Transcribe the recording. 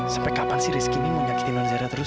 sampai kapan sih rizky ini mau nyakitin nonzaira terus